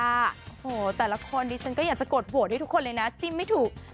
โอ้โหแต่ละคนดิฉันก็อยากจะกดโหวตให้ทุกคนเลยนะจิ้มไม่ถูก